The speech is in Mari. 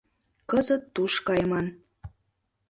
Кызыт туш кайыман!